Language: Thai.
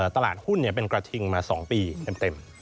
ตลาดหุ้นเป็นกระทิงมา๒ปีเต็ม